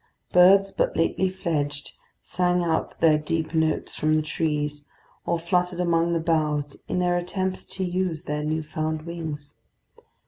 Birds but lately fledged sang out their deep notes from the trees, or fluttered among the boughs in their attempts to use their new found wings.